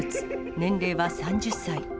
年齢は３０歳。